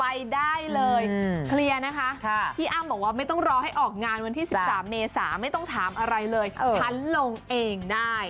อ้าวบอกว่าไม่ต้องรอให้ออกงานที่๑๓เม๓ไม่ต้องถามอะไรเลยฉันลงเองได้